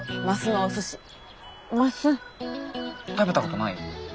食べたことない？